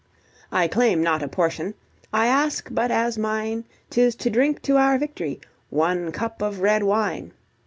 I claim not a portion: I ask but as mine 'Tis to drink to our victory one cup of red wine.